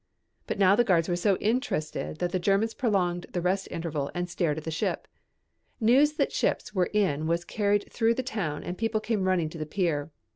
But now the guards were so interested that the Germans prolonged the rest interval and stared at the ship. News that ships were in was carried through the town and people came running to the pier.